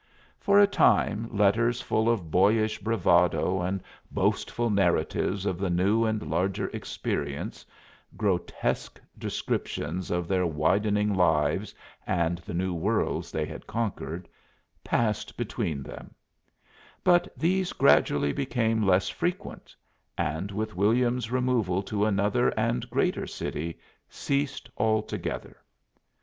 For a time letters full of boyish bravado and boastful narratives of the new and larger experience grotesque descriptions of their widening lives and the new worlds they had conquered passed between them; but these gradually became less frequent, and with William's removal to another and greater city ceased altogether.